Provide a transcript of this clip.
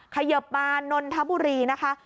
เขยิบมานนทบุรีนะคะ